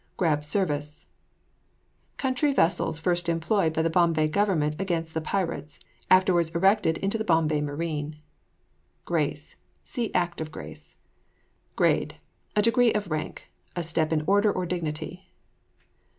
GRAB SERVICE. Country vessels first employed by the Bombay government against the pirates; afterwards erected into the Bombay Marine. GRACE. See ACT OF GRACE. GRADE. A degree of rank; a step in order or dignity.